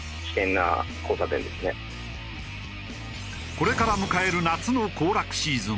これから迎える夏の行楽シーズン